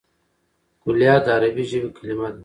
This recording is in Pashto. کلیات د عربي ژبي کليمه ده.